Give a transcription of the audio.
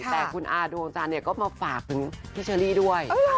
แต่คุณอาดวงจันทร์ก็มาฝากถึงพี่เชอรี่ด้วย